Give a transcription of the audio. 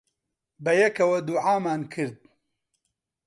بەیەکەوە دوعامان کرد.